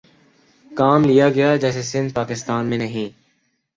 کام لیا گیا جیسے سندھ پاکستان میں نہیں